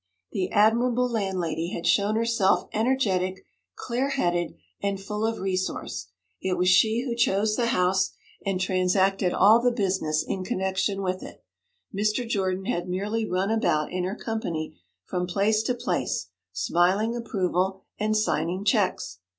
The admirable landlady had shown herself energetic, clear headed, and full of resource; it was she who chose the house, and transacted all the business in connection with it; Mr. Jordan had merely run about in her company from place to place, smiling approval and signing cheques.